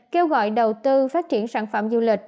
kêu gọi đầu tư phát triển sản phẩm du lịch